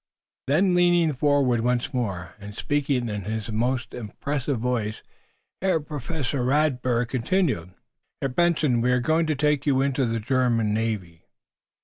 Then, leaning forward once more, and speaking in his most impressive voice, Herr Professor Radberg continued: "Herr Benson, we are going to take you into the German Navy!"